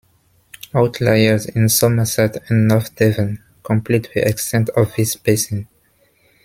Outliers in Somerset and north Devon complete the extent of this basin.